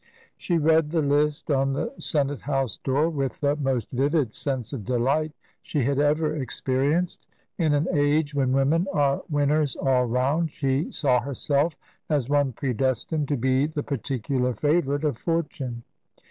She read the list on the Senate house door with the most vivid sense of delight she had ever experienced. In an age when women are winners all round, she saw herself as one predestined to be the particular favourite of fortune.